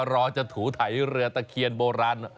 รอจะถูไถเรือตะเคียนโบราณ